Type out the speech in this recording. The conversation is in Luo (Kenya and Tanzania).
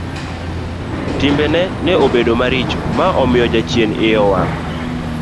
Timbe ne obedo maricho ma omiyo jachien iye owang'.